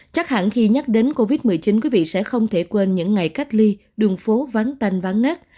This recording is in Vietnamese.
chắc hẳn khi nhắc đến covid một mươi chín quý vị sẽ không thể quên những ngày cách ly đường phố vắng tên vắng nát